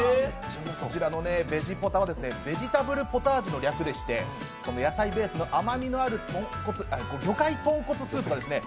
こちらのベジポタはベジタブルポタージュの略でして野菜ベースの甘みのある魚介豚骨スープがですね